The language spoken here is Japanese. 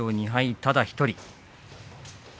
ただ１人。